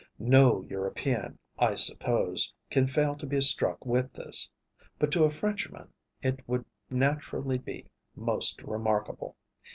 No European, I suppose, can fail to be struck with this; but to a Frenchman it would naturally be most remarkable.